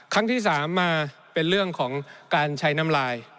ครั้งที่๓มาเป็นเรื่องของการใช้น้ำลาย